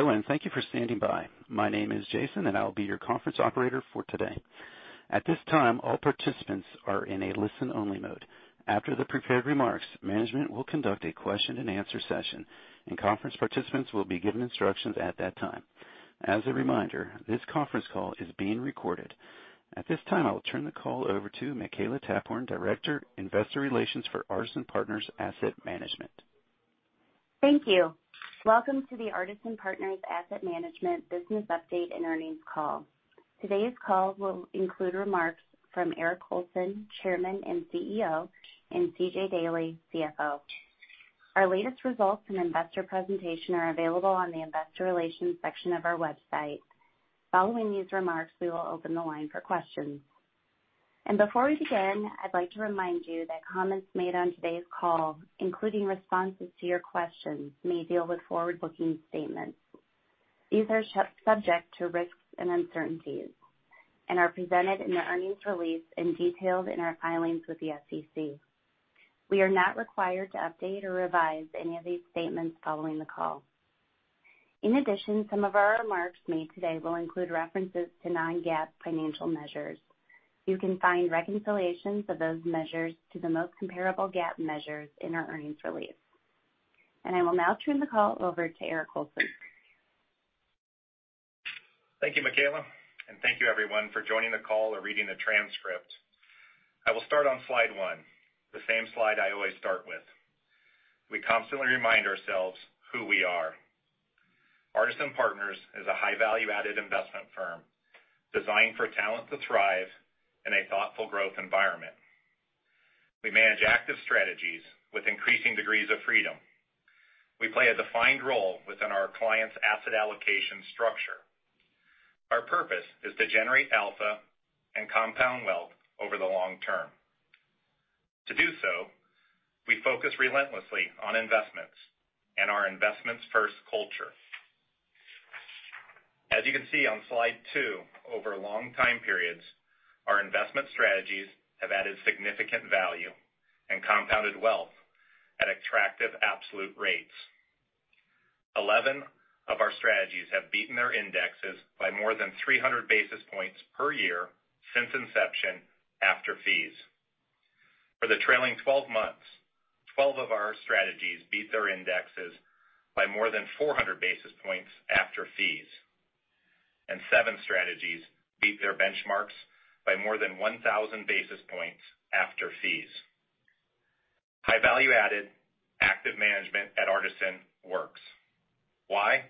Hello, and thank you for standing by. My name is Jason, and I will be your conference operator for today. At this time, all participants are in a listen-only mode. After the prepared remarks, management will conduct a question-and-answer session, and conference participants will be given instructions at that time. As a reminder, this conference call is being recorded. At this time, I will turn the call over to Makela Taphorn, Director, Investor Relations for Artisan Partners Asset Management. Thank you. Welcome to the Artisan Partners Asset Management business update and earnings call. Today's call will include remarks from Eric Colson, Chairman and CEO, and C.J. Daley, CFO. Our latest results and investor presentation are available on the investor relations section of our website. Following these remarks, we will open the line for questions. Before we begin, I'd like to remind you that comments made on today's call, including responses to your questions, may deal with forward-looking statements. These are subject to risks and uncertainties and are presented in the earnings release and detailed in our filings with the SEC. We are not required to update or revise any of these statements following the call. In addition, some of our remarks made today will include references to non-GAAP financial measures. You can find reconciliations of those measures to the most comparable GAAP measures in our earnings release. I will now turn the call over to Eric Colson. Thank you, Makela. Thank you everyone for joining the call or reading the transcript. I will start on slide one, the same slide I always start with. We constantly remind ourselves who we are. Artisan Partners is a high value-added investment firm designed for talent to thrive in a thoughtful growth environment. We manage active strategies with increasing degrees of freedom. We play a defined role within our clients' asset allocation structure. Our purpose is to generate alpha and compound wealth over the long term. To do so, we focus relentlessly on investments and our investments first culture. As you can see on slide two, over long time periods, our investment strategies have added significant value and compounded wealth at attractive absolute rates. 11 of our strategies have beaten their indexes by more than 300 basis points per year since inception, after fees. For the trailing 12 months, 12 of our strategies beat their indexes by more than 400 basis points after fees, and seven strategies beat their benchmarks by more than 1,000 basis points after fees. High value-added active management at Artisan works. Why?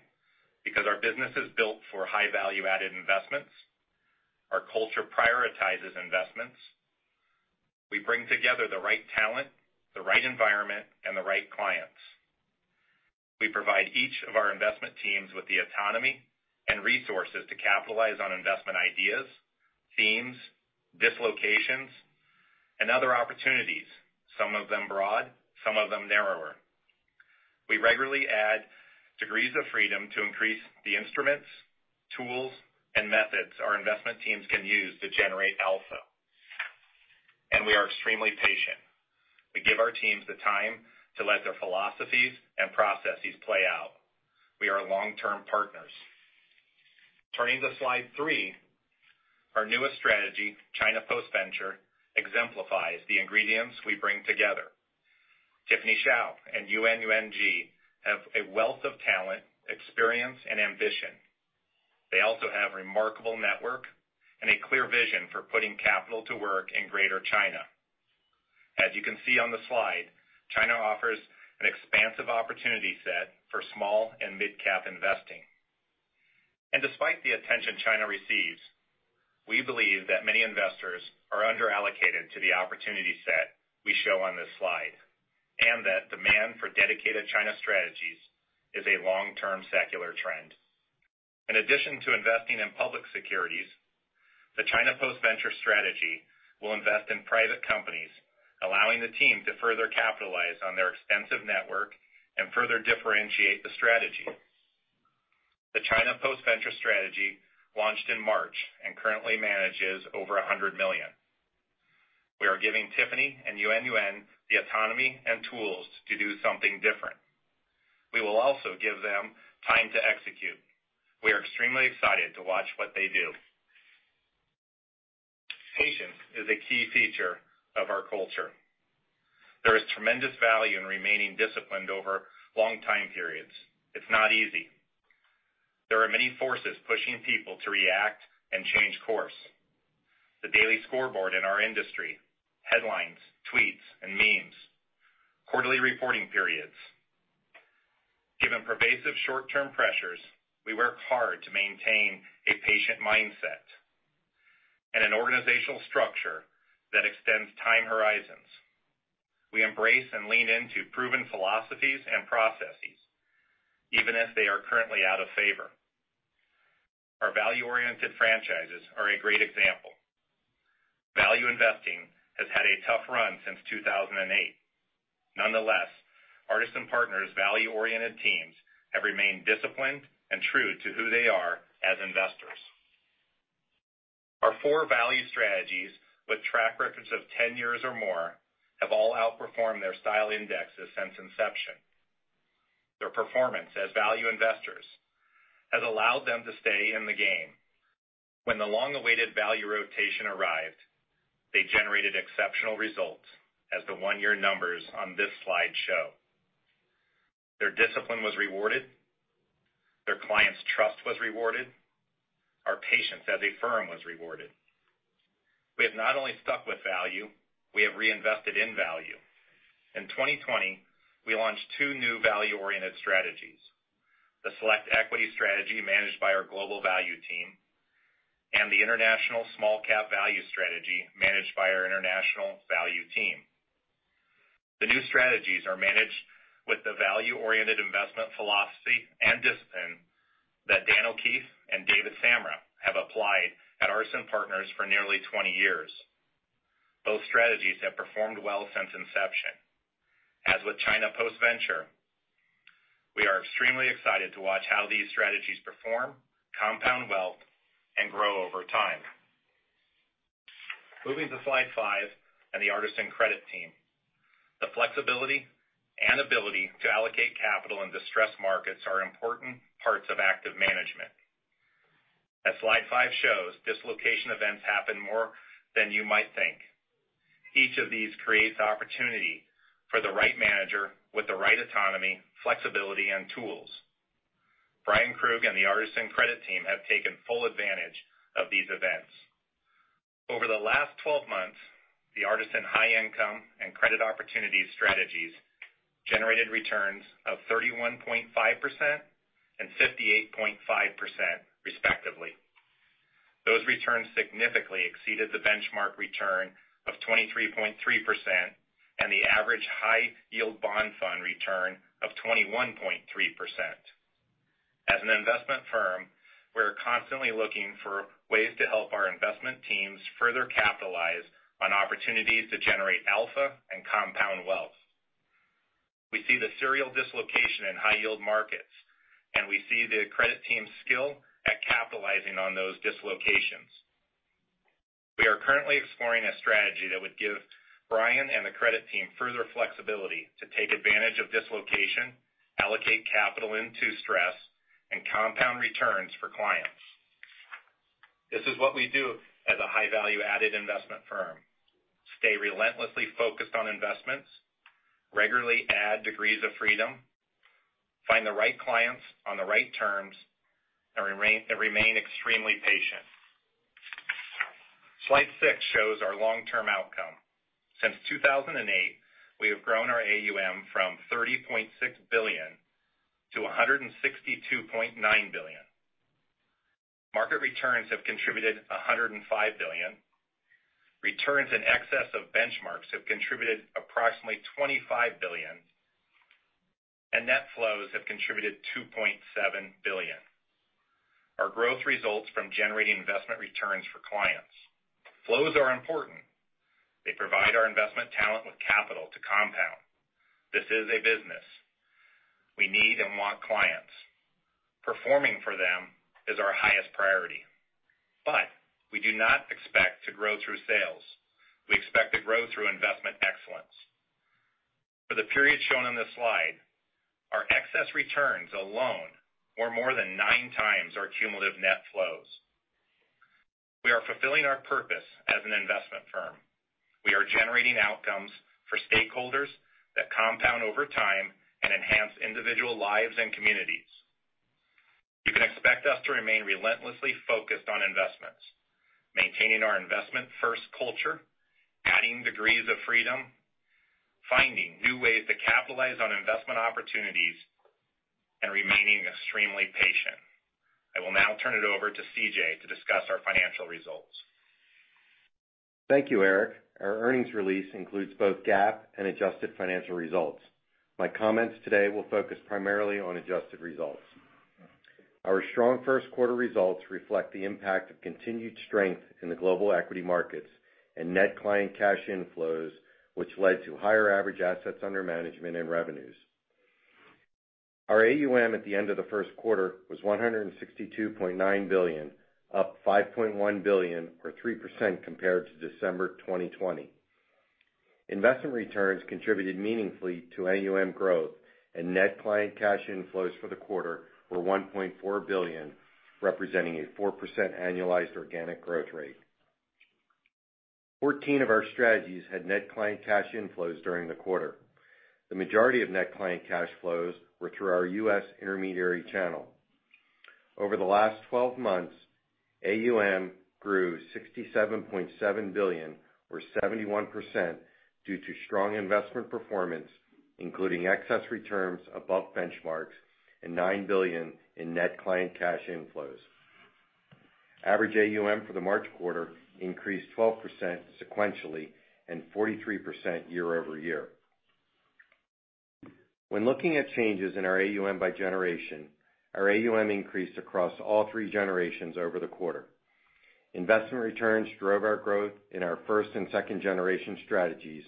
Because our business is built for high value-added investments. Our culture prioritizes investments. We bring together the right talent, the right environment, and the right clients. We provide each of our investment teams with the autonomy and resources to capitalize on investment ideas, themes, dislocations, and other opportunities, some of them broad, some of them narrower. We regularly add degrees of freedom to increase the instruments, tools, and methods our investment teams can use to generate alpha. We are extremely patient. We give our teams the time to let their philosophies and processes play out. We are long-term partners. Turning to slide three, our newest strategy, China Post Venture, exemplifies the ingredients we bring together. Tiffany Hsia and Yuanyuan Ji have a wealth of talent, experience, and ambition. They also have remarkable network and a clear vision for putting capital to work in Greater China. As you can see on the slide, China offers an expansive opportunity set for small and midcap investing. Despite the attention China receives, we believe that many investors are under-allocated to the opportunity set we show on this slide, and that demand for dedicated China strategies is a long-term secular trend. In addition to investing in public securities, the China Post-Venture Strategy will invest in private companies, allowing the team to further capitalize on their extensive network and further differentiate the Strategy. The China Post-Venture Strategy launched in March and currently manages over $100 million. We are giving Tiffany and Yuanyuan the autonomy and tools to do something different. We will also give them time to execute. We are extremely excited to watch what they do. Patience is a key feature of our culture. There is tremendous value in remaining disciplined over long time periods. It's not easy. There are many forces pushing people to react and change course. The daily scoreboard in our industry, headlines, tweets, and memes, quarterly reporting periods. Given pervasive short-term pressures, we work hard to maintain a patient mindset and an organizational structure that extends time horizons. We embrace and lean into proven philosophies and processes, even if they are currently out of favor. Our value-oriented franchises are a great example. Value investing has had a tough run since 2008. Nonetheless, Artisan Partners' value-oriented teams have remained disciplined and true to who they are as investors. Our four value strategies with track records of 10 years or more have all outperformed their style indexes since inception. Their performance as value investors has allowed them to stay in the game. When the long-awaited value rotation arrived, they generated exceptional results, as the one-year numbers on this slide show. Their discipline was rewarded. Their clients' trust was rewarded. Our patience as a firm was rewarded. We have not only stuck with value, we have reinvested in value. In 2020, we launched two new value-oriented strategies, the Select Equity strategy managed by our global value team, and the International Small Cap Value strategy managed by our international value team. The new strategies are managed with the value-oriented investment philosophy and discipline that Daniel O'Keefe and David Samra have applied at Artisan Partners for nearly 20 years. Both strategies have performed well since inception. As with China Post-Venture, we are extremely excited to watch how these strategies perform, compound wealth, and grow over time. Moving to slide five and the Artisan credit team. The flexibility and ability to allocate capital in distressed markets are important parts of active management. As slide five shows, dislocation events happen more than you might think. Each of these creates opportunity for the right manager with the right autonomy, flexibility, and tools. Bryan Krug and the Artisan credit team have taken full advantage of these events. Over the last 12 months, the Artisan High Income and Credit Opportunities strategies generated returns of 31.5% and 58.5%, respectively. Those returns significantly exceeded the benchmark return of 23.3% and the average high-yield bond fund return of 21.3%. As an investment firm, we are constantly looking for ways to help our investment teams further capitalize on opportunities to generate alpha and compound wealth. We see the serial dislocation in high-yield markets, and we see the credit team's skill at capitalizing on those dislocations. We are currently exploring a strategy that would give Bryan and the credit team further flexibility to take advantage of dislocation, allocate capital into stress, compound returns for clients. This is what we do as a high value-added investment firm. Stay relentlessly focused on investments, regularly add degrees of freedom, find the right clients on the right terms, remain extremely patient. Slide six shows our long-term outcome. Since 2008, we have grown our AUM from $30.6 billion - $162.9 billion. Market returns have contributed $105 billion. Returns in excess of benchmarks have contributed approximately $25 billion. Net flows have contributed $2.7 billion. Our growth results from generating investment returns for clients. Flows are important. They provide our investment talent with capital to compound. This is a business. We need and want clients. Performing for them is our highest priority. We do not expect to grow through sales. We expect to grow through investment excellence. For the period shown on this slide, our excess returns alone were more than nine times our cumulative net flows. We are fulfilling our purpose as an investment firm. We are generating outcomes for stakeholders that compound over time and enhance individual lives and communities. You can expect us to remain relentlessly focused on investments, maintaining our investment first culture, adding degrees of freedom, finding new ways to capitalize on investment opportunities, and remaining extremely patient. I will now turn it over to C.J. to discuss our financial results. Thank you, Eric. Our earnings release includes both GAAP and adjusted financial results. My comments today will focus primarily on adjusted results. Our strong first quarter results reflect the impact of continued strength in the global equity markets and net client cash inflows, which led to higher average assets under management and revenues. Our AUM at the end of the first quarter was $162.9 billion, up $5.1 billion, or 3%, compared to December 2020. Investment returns contributed meaningfully to AUM growth, and net client cash inflows for the quarter were $1.4 billion, representing a 4% annualized organic growth rate. 14 of our strategies had net client cash inflows during the quarter. The majority of net client cash flows were through our U.S. intermediary channel. Over the last 12 months, AUM grew $67.7 billion, or 71%, due to strong investment performance, including excess returns above benchmarks and $9 billion in net client cash inflows. Average AUM for the March quarter increased 12% sequentially and 43% year-over-year. When looking at changes in our AUM by generation, our AUM increased across all 3 generations over the quarter. Investment returns drove our growth in our first and second generation strategies.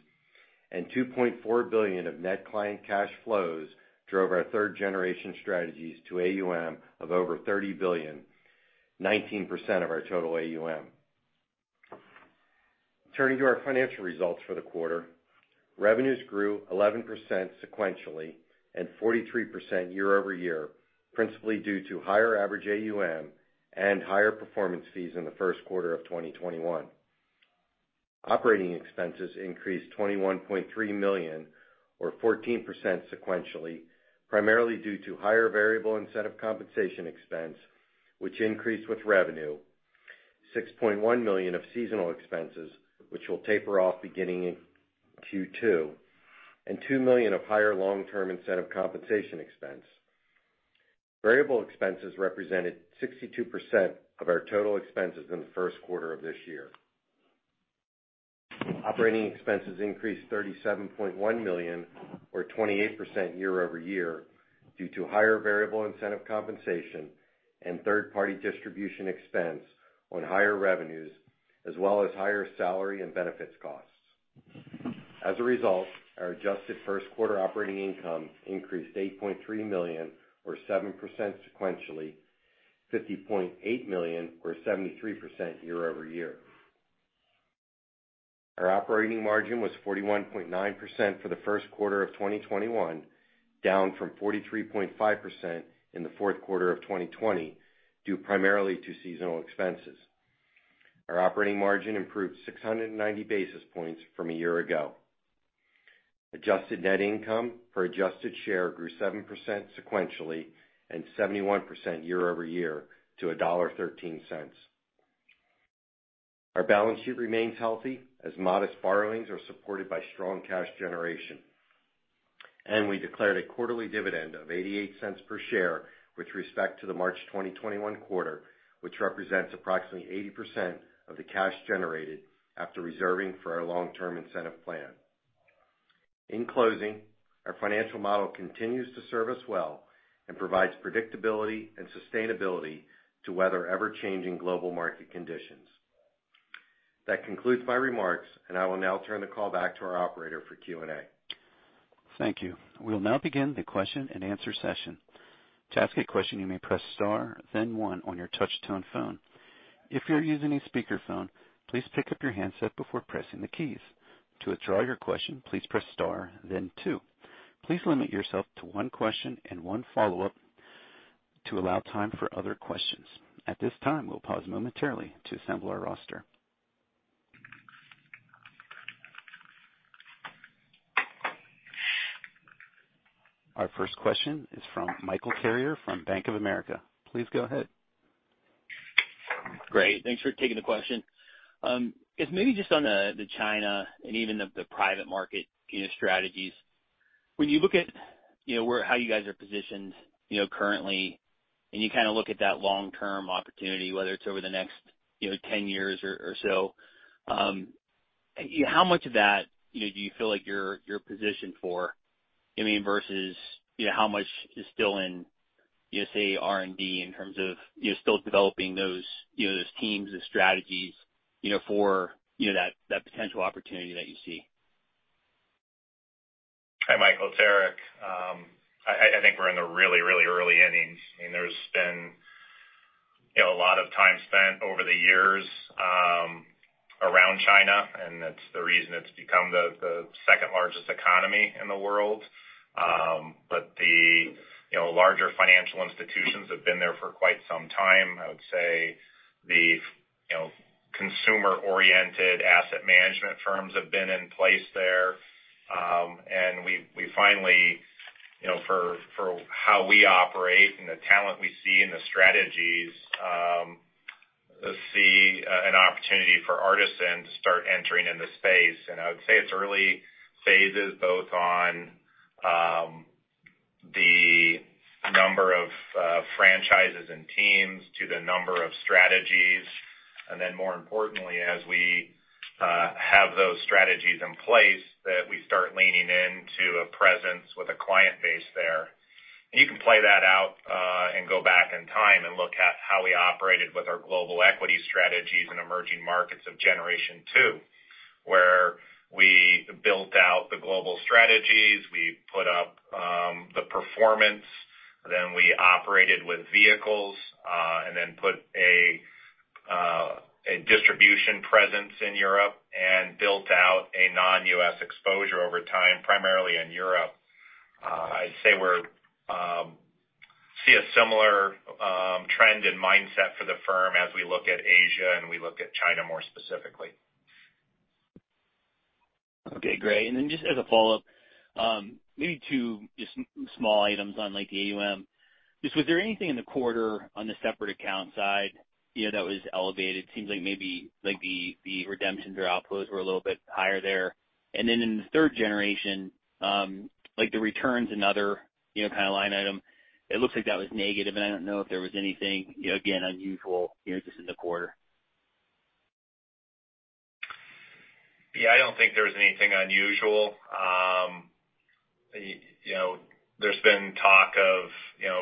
$2.4 billion of net client cash flows drove our third generation strategies to AUM of over $30 billion, 19% of our total AUM. Turning to our financial results for the quarter, revenues grew 11% sequentially and 43% year-over-year, principally due to higher average AUM and higher performance fees in Q1 of 2021. Operating expenses increased $21.3 million or 14% sequentially, primarily due to higher variable incentive compensation expense, which increased with revenue $6.1 million of seasonal expenses, which will taper off beginning in Q2, and $2 million of higher long-term incentive compensation expense. Variable expenses represented 62% of our total expenses in Q1 of this year. Operating expenses increased $37.1 million or 28% year-over-year due to higher variable incentive compensation and third-party distribution expense on higher revenues, as well as higher salary and benefits costs. As a result, our adjusted Q1 operating income increased $8.3 million or 7% sequentially, $50.8 million or 73% year-over-year. Our operating margin was 41.9% for Q1 of 2021, down from 43.5% in Q4 of 2020, due primarily to seasonal expenses. Our operating margin improved 690 basis points from a year ago. Adjusted net income per adjusted share grew 7% sequentially and 71% year-over-year to $1.13. Our balance sheet remains healthy as modest borrowings are supported by strong cash generation. We declared a quarterly dividend of $0.88 per share with respect to the March 2021 quarter, which represents approximately 80% of the cash generated after reserving for our long-term incentive plan. In closing, our financial model continues to serve us well and provides predictability and sustainability to weather ever-changing global market conditions. That concludes my remarks, and I will now turn the call back to our operator for Q&A. Thank you. We'll now begin the question-and-answer session. To ask a question, you may press star then one on your touch-tone phone. If you're using a speakerphone, please pick up your handset before pressing the keys. To withdraw your question, please press star then two. Please limit yourself to one question and one follow-up to allow time for other questions. At this time, we'll pause momentarily to assemble our roster. Our first question is from Michael Carrier from Bank of America. Please go ahead. Great. Thanks for taking the question. Just on the China and even the private market strategies. When you look at how you guys are positioned currently, and you look at that long-term opportunity, whether it's over the next 10 years or so, how much of that do you feel like you're positioned for versus how much is still in, say, R&D in terms of still developing those teams, the strategies, for that potential opportunity that you see? Hi, Michael. It's Eric. I think we're in the really early innings, and there's been a lot of time spent over the years around China, and that's the reason it's become the second largest economy in the world. The larger financial institutions have been there for quite some time. I would say the consumer-oriented asset management firms have been in place there. We finally, for how we operate and the talent we see and the strategies, see an opportunity for Artisan to start entering in the space. I would say it's early phases, both on the number of franchises and teams to the number of strategies. More importantly, as we have those strategies in place, that we start leaning into a presence with a client base there. You can play that out and go back in time and look at how we operated with our global equity strategies in emerging markets of generation two, where we built out the global strategies, we put up the performance, then we operated with vehicles, and then put a distribution presence in Europe and built out a non-U.S. exposure over time, primarily in Europe. I'd say we see a similar trend in mindset for the firm as we look at Asia and we look at China more specifically. Okay, great. Then just as a follow-up, maybe two just small items on the AUM. Just was there anything in the quarter on the separate account side that was elevated? Seems like maybe the redemptions or outflows were a little bit higher there. Then in the third generation, the returns, another kind of line item, it looks like that was negative, and I don't know if there was anything, again, unusual just in the quarter. Yeah, I don't think there was anything unusual. There's been talk of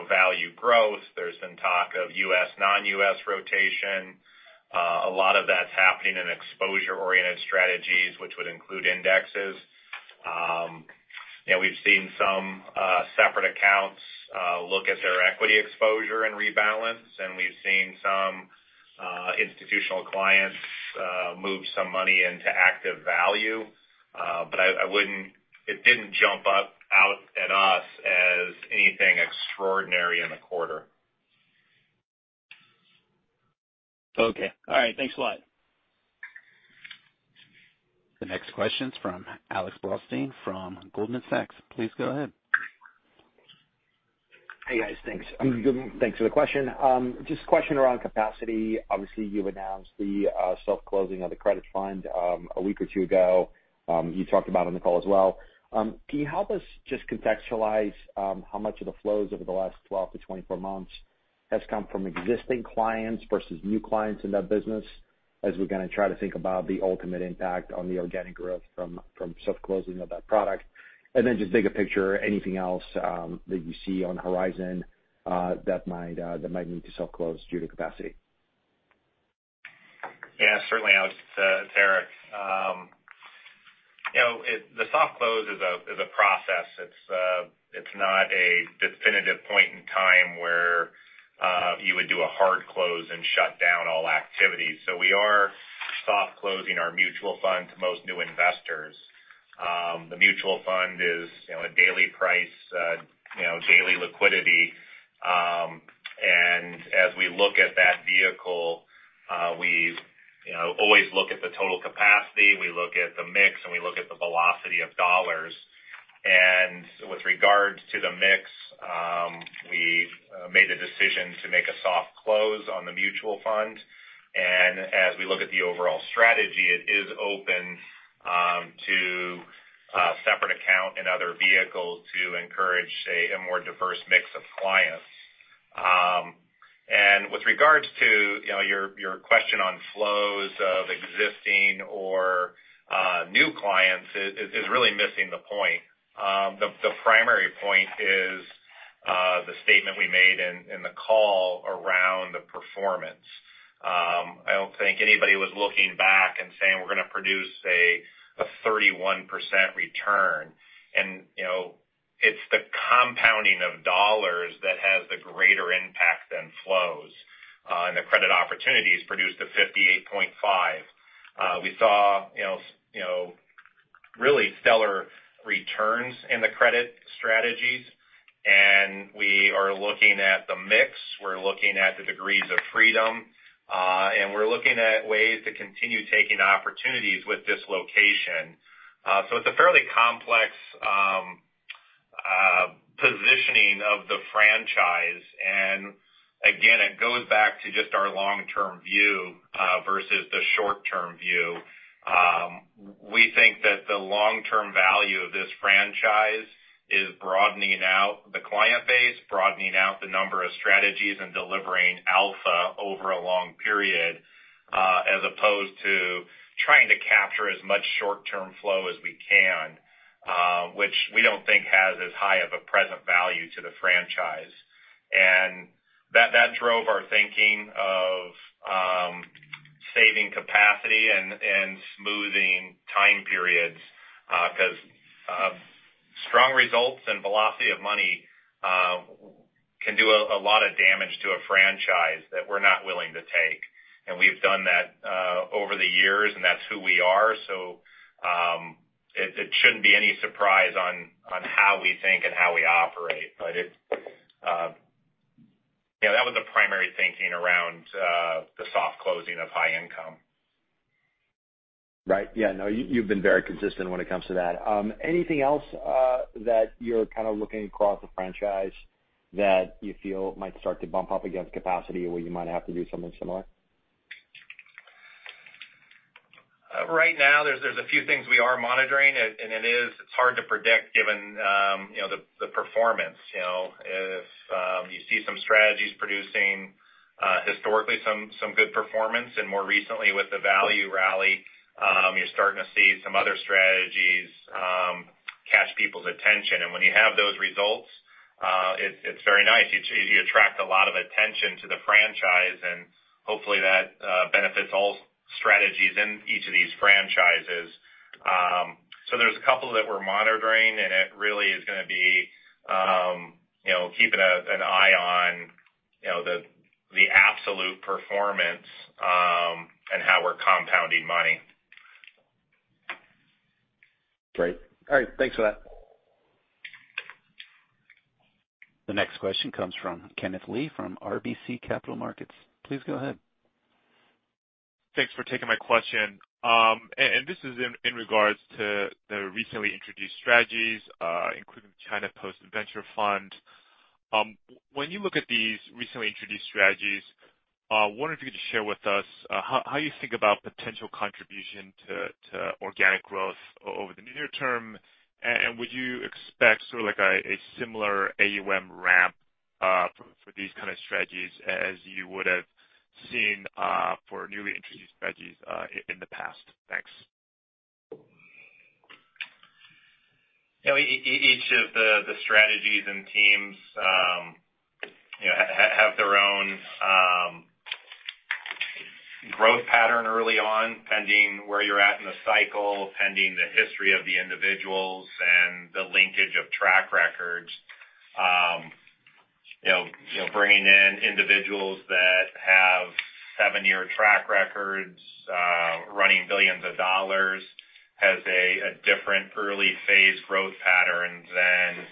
value growth, there's been talk of U.S., non-U.S. rotation. A lot of that's happening in exposure-oriented strategies, which would include indexes. We've seen some separate accounts look at their equity exposure and rebalance, and we've seen some institutional clients move some money into active value. It didn't jump up out at us as anything extraordinary in the quarter. Okay. All right, thanks a lot. The next question's from Alexander Blostein from Goldman Sachs. Please go ahead. Hey, guys. Thanks. Thanks for the question. Just a question around capacity. Obviously, you announced the soft closing of the credit fund a week or two ago. You talked about it on the call as well. Can you help us just contextualize how much of the flows over the last 12 - 24 months has come from existing clients versus new clients in that business, as we kind of try to think about the ultimate impact on the organic growth from soft closing of that product? Just bigger picture, anything else that you see on the horizon that might need to soft close due to capacity? Certainly, Alex. It's Eric. The soft close is a process. It's not a definitive point in time where you would do a hard close and shut down all activity. We are soft closing our mutual fund to most new investors. The mutual fund is a daily price, daily liquidity. As we look at that vehicle, we always look at the total capacity. We look at the mix, and we look at the velocity of dollars. With regards to the mix, we made the decision to make a soft close on the mutual fund. As we look at the overall strategy, it is open to separate account and other vehicles to encourage, say, a more diverse mix of clients. With regards to your question on flows of existing or new clients is really missing the point. The primary point is the statement we made in the call around the performance. I don't think anybody was looking back and saying, We're going to produce a 31% return. It's the compounding of dollars that has the greater impact than flows. The Credit Opportunities produced a 58.5%. We saw really stellar returns in the credit strategies, and we are looking at the mix. We're looking at the degrees of freedom, and we're looking at ways to continue taking opportunities with this location. It's a fairly complex positioning of the franchise. Again, it goes back to just our long-term view versus the short-term view. We think that the long-term value of this franchise is broadening out the client base, broadening out the number of strategies, and delivering alpha over a long period, as opposed to trying to capture as much short-term flow as we can, which we don't think has as high of a present value to the franchise. That drove our thinking of saving capacity and smoothing time periods, because strong results and velocity of money can do a lot of damage to a franchise that we're not willing to take. We've done that over the years, and that's who we are. It shouldn't be any surprise on how we think and how we operate. That was the primary thinking around the soft closing of High Income. Right. Yeah, no, you've been very consistent when it comes to that. Anything else that you're kind of looking across the franchise that you feel might start to bump up against capacity where you might have to do something similar? Right now, there's a few things we are monitoring, and it's hard to predict given the performance. If you see some strategies producing historically some good performance, and more recently with the value rally, you're starting to see some other strategies catch people's attention. When you have those results, it's very nice. You attract a lot of attention to the franchise, and hopefully that benefits all strategies in each of these franchises. There's a couple that we're monitoring, and it really is going to be keeping an eye on the absolute performance, and how we're compounding money. Great. All right, thanks for that. The next question comes from Kenneth Lee from RBC Capital Markets. Please go ahead. Thanks for taking my question. This is in regards to the recently introduced strategies, including the China Post-Venture Fund. When you look at these recently introduced strategies, I wonder if you could share with us how you think about potential contribution to organic growth over the near term, and would you expect sort of like a similar AUM ramp with these kind of strategies, as you would have seen for newly introduced strategies in the past. Thanks. Each of the strategies and teams have their own growth pattern early on, pending where you're at in the cycle, pending the history of the individuals and the linkage of track records. Bringing in individuals that have seven-year track records, running billions of dollars, has a different early phase growth pattern than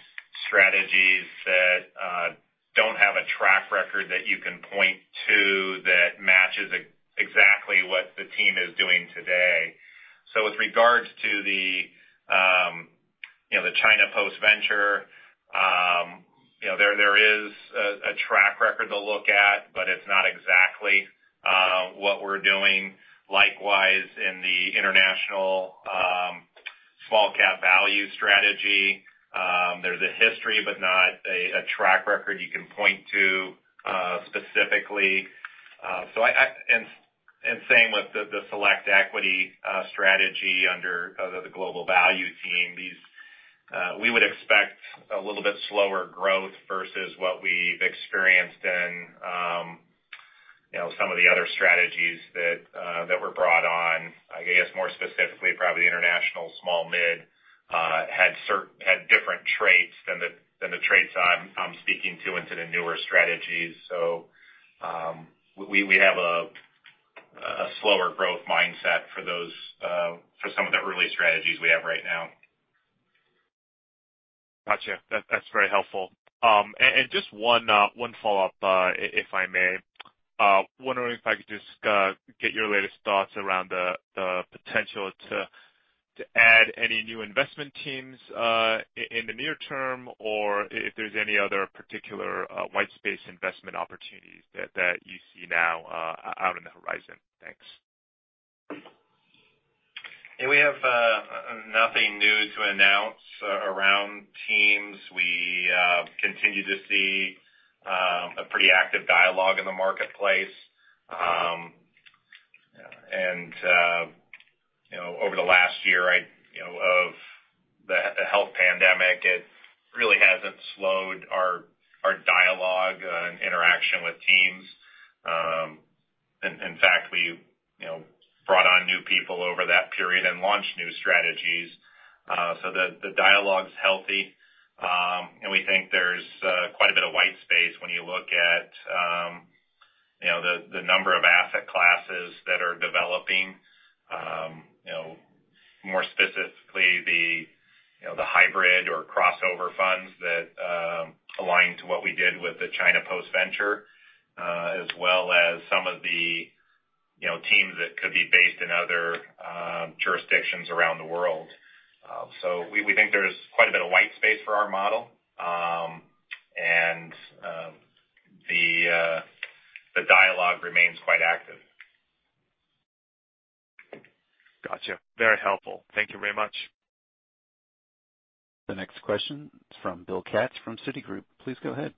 strategies that don't have a track record that you can point to that matches exactly what the team is doing today. With regards to the China Post-Venture, there is a track record to look at, but it's not exactly what we're doing. Likewise, in the International Small Cap Value strategy, there's a history, but not a track record you can point to specifically. Same with the Select Equity strategy under the Global Value Team. We would expect a little bit slower growth versus what we've experienced in some of the other strategies that were brought on. I guess more specifically, probably International Small-Mid had different traits than the traits I'm speaking to into the newer strategies. We have a slower growth mindset for some of the early strategies we have right now. Got you. That's very helpful. Just one follow-up, if I may. Wondering if I could just get your latest thoughts around the potential to add any new investment teams in the near term, or if there's any other particular white space investment opportunities that you see now out in the horizon. Thanks. We have nothing new to announce around teams. We continue to see a pretty active dialogue in the marketplace. Over the last year of the health pandemic, it really hasn't slowed our dialogue and interaction with teams. In fact, we brought on new people over that period and launched new strategies. The dialogue's healthy, and we think there's quite a bit of white space when you look at the number of asset classes that are developing. More specifically, the hybrid or crossover funds that align to what we did with the China Post-Venture, as well as some of the teams that could be based in other jurisdictions around the world. We think there's quite a bit of white space for our model. The dialogue remains quite active. Got you. Very helpful. Thank you very much. The next question is from Bill Katz from Citigroup. Please go ahead.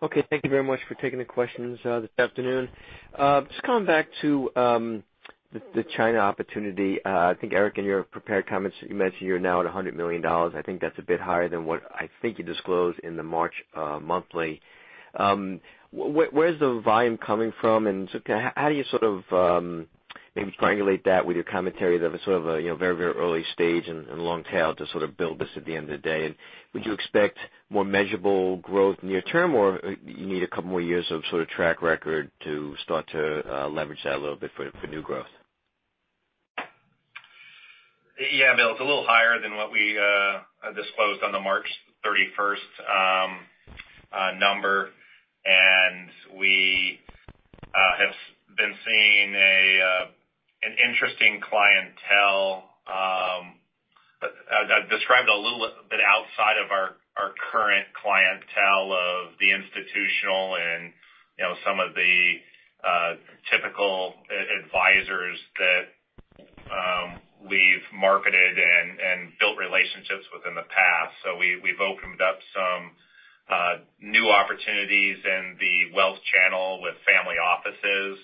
Okay, thank you very much for taking the questions this afternoon. Just coming back to the China opportunity. I think, Eric, in your prepared comments, you mentioned you're now at $100 million. I think that's a bit higher than what I think you disclosed in the March monthly. Where is the volume coming from, and how do you maybe triangulate that with your commentary that was sort of a very early stage and long tail to sort of build this at the end of the day? Would you expect more measurable growth near term, or you need a couple more years of sort of track record to start to leverage that a little bit for new growth? Yeah, Bill, it's a little higher than what we disclosed on the March 31st number, and we have been seeing an interesting clientele. I'd describe it a little bit outside of our current clientele of the institutional and some of the typical advisors that we've marketed and built relationships with in the past. We've opened up some new opportunities in the wealth channel with family offices.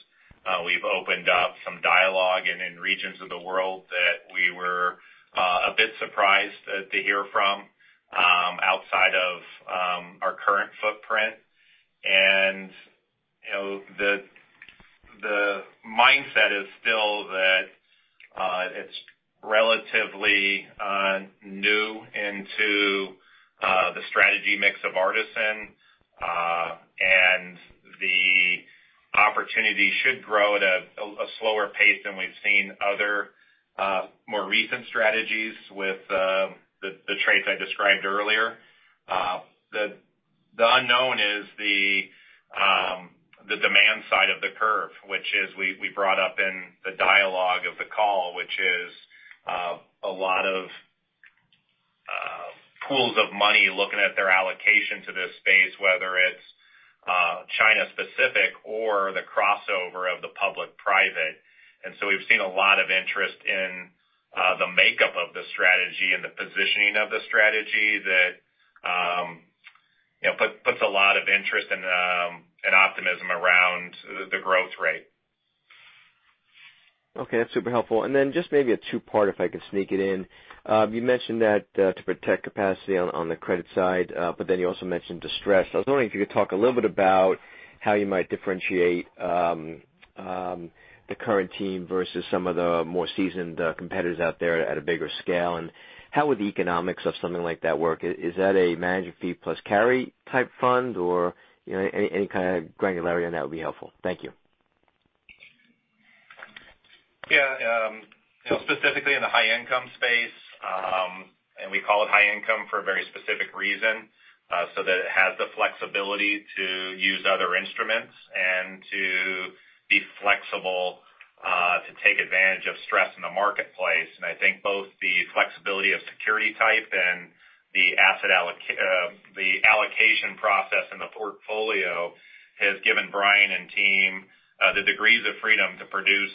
We've opened up some dialogue and in regions of the world that we were a bit surprised to hear from outside of our current footprint. The mindset is still that it's relatively new into the strategy mix of Artisan, and the opportunity should grow at a slower pace than we've seen other more recent strategies with the traits I described earlier. The unknown is the demand side of the curve, which is we brought up in the dialogue of the call, which is a lot of pools of money looking at their allocation to this space, whether it's China-specific or the crossover of the public-private. We've seen a lot of interest in the makeup of the strategy and the positioning of the strategy that puts a lot of interest and optimism around the growth rate. Okay. That's super helpful. Just maybe a two-part if I could sneak it in. You mentioned that to protect capacity on the credit side, you also mentioned distress. I was wondering if you could talk a little bit about how you might differentiate the current team versus some of the more seasoned competitors out there at a bigger scale, and how would the economics of something like that work? Is that a management fee plus carry type fund or any kind of granularity on that would be helpful. Thank you. Yeah. Specifically in the high income space, we call it high income for a very specific reason, so that it has the flexibility to use other instruments and to be flexible to take advantage of stress in the marketplace. I think both the flexibility of security type and the allocation process in the portfolio has given Bryan and team the degrees of freedom to produce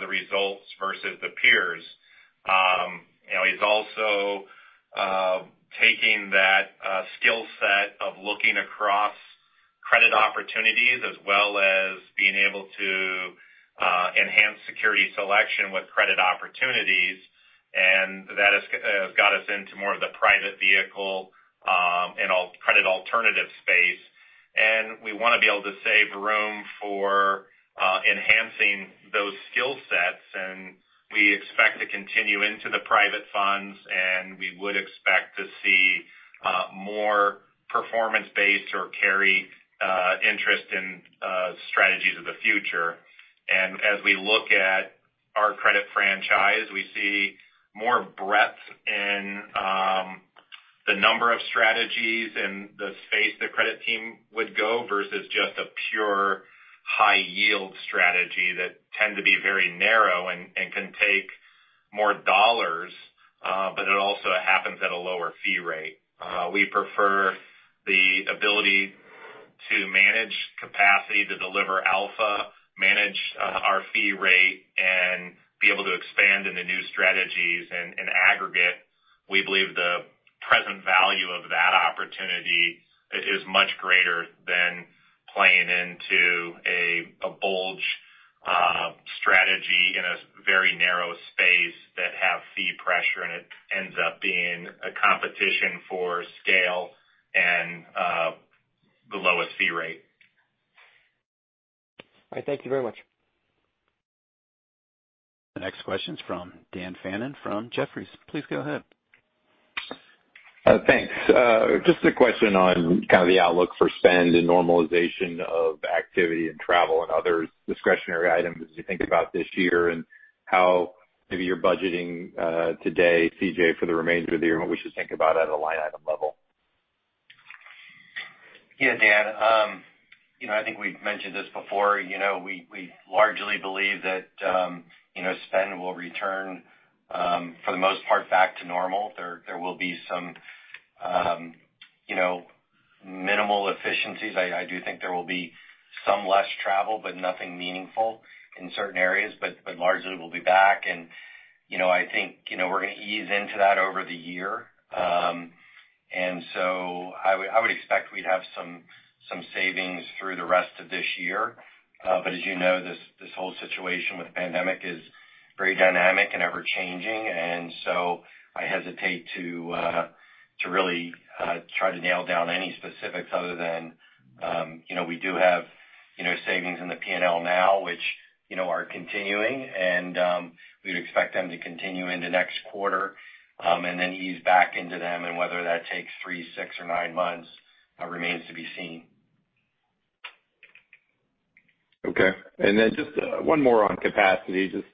the results versus the peers. He's also taking that skill set of looking across credit opportunities, as well as being able to enhance security selection with credit opportunities. That has got us into more of the private vehicle in all credit alternative space. We want to be able to save room for enhancing those skill sets. We expect to continue into the private funds, and we would expect to see more performance-based or carry interest in strategies of the future. As we look at our credit franchise, we see more breadth in the number of strategies and the space the credit team would go versus just a pure high yield strategy that tend to be very narrow and can take more dollars. It also happens at a lower fee rate. We prefer the ability to manage capacity to deliver alpha, manage our fee rate, and be able to expand in the new strategies. In aggregate, we believe the present value of that opportunity is much greater than playing into a bulge strategy in a very narrow space that have fee pressure, and it ends up being a competition for scale and the lowest fee rate. All right. Thank you very much. The next question is from Daniel Fannon from Jefferies. Please go ahead. Thanks. Just a question on kind of the outlook for spend and normalization of activity in travel and other discretionary items as you think about this year and how maybe you're budgeting today, CJ, for the remainder of the year and what we should think about at a line item level? Yeah, Dan. I think we've mentioned this before. We largely believe that spend will return, for the most part, back to normal. There will be some minimal efficiencies. I do think there will be some less travel, but nothing meaningful in certain areas, but largely we'll be back. I think we're going to ease into that over the year. I would expect we'd have some savings through the rest of this year. As you know, this whole situation with pandemic is very dynamic and ever-changing. I hesitate to really try to nail down any specifics other than we do have savings in the P&L now, which are continuing, and we'd expect them to continue into next quarter, and then ease back into them. Whether that takes three, six, or nine months remains to be seen. Okay. Just one more on capacity. Just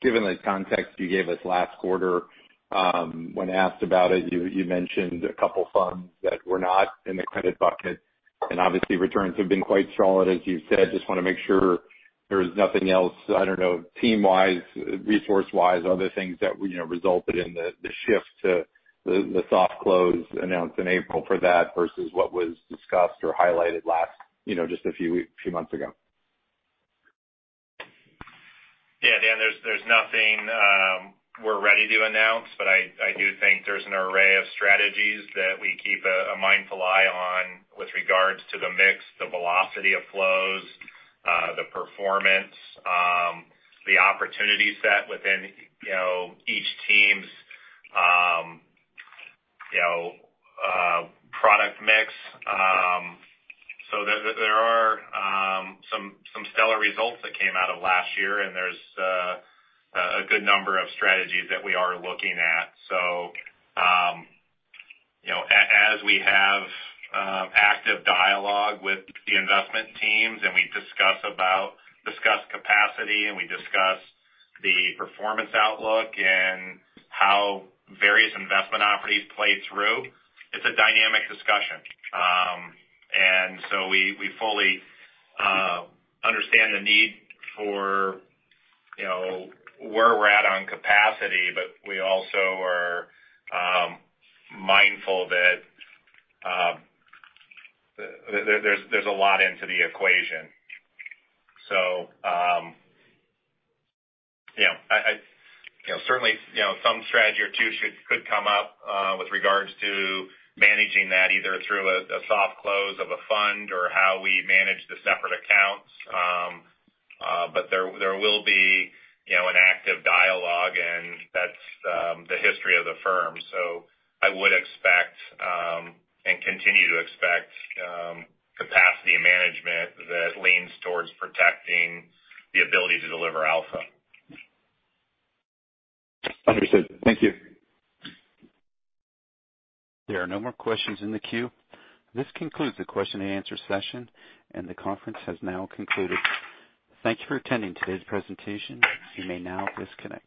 given the context you gave us last quarter, when asked about it, you mentioned a couple funds that were not in the credit bucket, and obviously returns have been quite solid, as you said. Just want to make sure there's nothing else, I don't know, team-wise, resource-wise, other things that resulted in the shift to the soft close announced in April for that versus what was discussed or highlighted just a few months ago. Dan, there's nothing we're ready to announce, but I do think there's an array of strategies that we keep a mindful eye on with regards to the mix, the velocity of flows, the performance, the opportunity set within each team's product mix. There are some stellar results that came out of last year, and there's a good number of strategies that we are looking at. As we have active dialogue with the investment teams and we discuss capacity and we discuss the performance outlook and how various investment opportunities play through, it's a dynamic discussion. We fully understand the need for where we're at on capacity, but we also are mindful that there's a lot into the equation. Certainly, some strategy or two could come up with regards to managing that, either through a soft close of a fund or how we manage the separate accounts. There will be an active dialogue, and that's the history of the firm. I would expect, and continue to expect, capacity management that leans towards protecting the ability to deliver alpha. Understood. Thank you. There are no more questions in the queue. This concludes the question-and-answer session, and the conference has now concluded. Thank you for attending today's presentation. You may now disconnect.